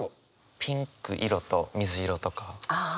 ピンク色と水色とかですね。